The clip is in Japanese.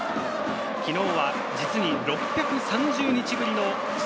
昨日は６３０日ぶりのス